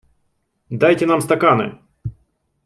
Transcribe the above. Дайте нам стаканы!